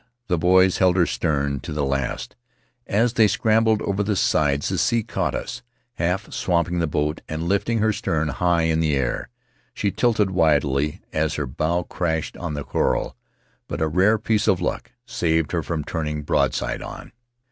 The boys held her stern on to the last; as they scrambled over the sides the sea caught us, half swamping the boat and lifting her stern high in the air. She tilted wildly as her bow crashed on the coral, but a rare piece of luck saved her from turning broadside on.